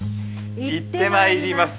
いってまいります！